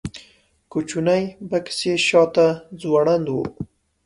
کوچنی بکس یې شاته ځوړند و.